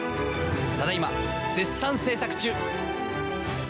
ただいま絶賛制作中！